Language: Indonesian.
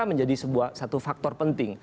menjadi satu faktor penting